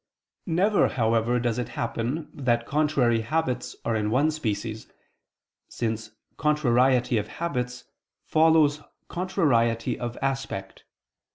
Never, however, does it happen that contrary habits are in one species: since contrariety of habits follows contrariety of aspect.